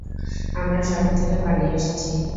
আমরা শহর থেকে পালিয়ে এসেছি।